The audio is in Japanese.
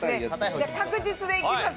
じゃあ確実でいきます。